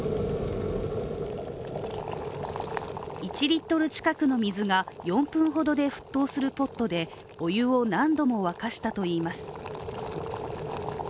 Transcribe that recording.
１リットル近くの水が４分ほどで沸騰するポットでお湯を何度も沸かしたといいます。